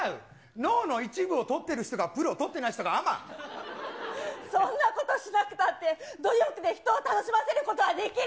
脳の一部を取ってる人がプロ、そんなことしなくたって、努力で人を楽しませることはできる。